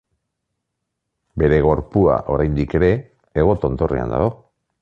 Bere gorpua oraindik ere Hego tontorrean dago.